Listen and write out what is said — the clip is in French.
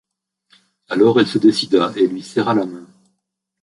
Alors, elle se décida, elle lui serra la main.